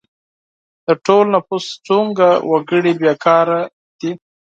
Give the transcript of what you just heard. د ټول نفوس څومره وګړي بې کاره دي؟